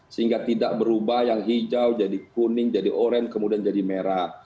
sehingga tidak berubah yang hijau jadi kuning jadi orane kemudian jadi merah